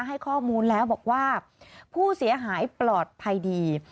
ให้ข้อมูลแล้วบอกว่าผู้เสียหายปลอดภัยดี